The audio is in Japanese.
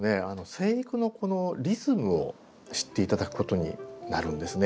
生育のこのリズムを知って頂くことになるんですね。